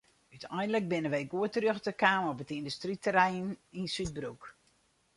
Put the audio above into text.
Uteinlik binne wy goed terjochte kaam op it yndustryterrein yn Súdbroek.